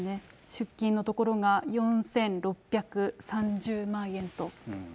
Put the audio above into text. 出金のところが４６３０万円と。